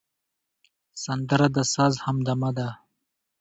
سندره د ساز همدمه ده